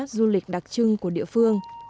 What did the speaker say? du lịch đặc trưng của địa phương